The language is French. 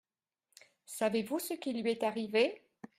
Savez-vous ce qui lui est arrivé ?